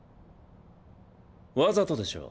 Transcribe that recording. わざとでしょ？